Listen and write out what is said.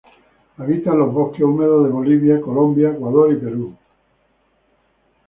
Habita en los bosques húmedos de Bolivia, Colombia, Ecuador y Perú.